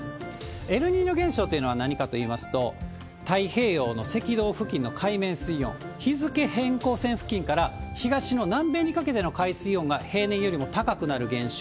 エルニーニョ現象というのは何かといいますと、太平洋の赤道付近の海面水温、日付変更線付近から、東の南米にかけての海水温が平年よりも高くなる現象。